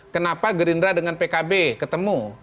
kenapa gerindra dengan pkb ketemu